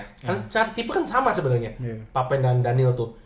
karena tipe kan sama sebenarnya papen dan daniel tuh